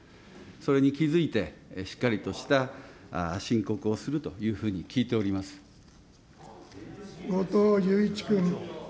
それに気付いて、しっかりとした申告をするというふうに聞いてお後藤祐一君。